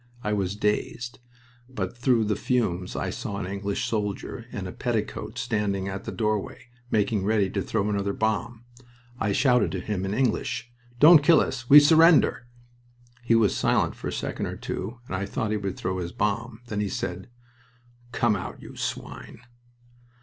I was dazed, but through the fumes I saw an English soldier in a petticoat standing at the doorway, making ready to throw another bomb. "I shouted to him in English: "'Don't kill us! We surrender!' "He was silent for a second or two, and I thought he would throw his bomb. Then he said: "'Come out, you swine.'